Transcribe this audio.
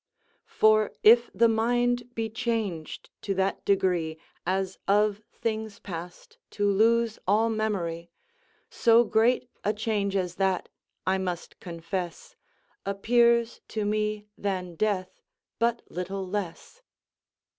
"For if the mind be changed to that degree As of past things to lose all memory, So great a change as that, I must confess, Appears to me than death but little less."